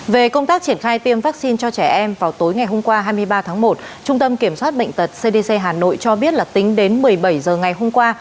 về công tác triển khai tiêm vaccine cho trẻ em vào tối ngày hôm qua hai mươi ba tháng một trung tâm kiểm soát bệnh tật cdc hà nội cho biết là tính đến một mươi bảy h ngày hôm qua